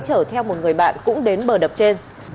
chở theo một người bạn cũng đến bờ đập trên